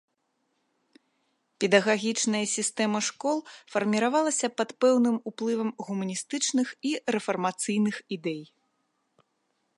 Педагагічная сістэма школ фарміравалася пад пэўным уплывам гуманістычных і рэфармацыйных ідэй.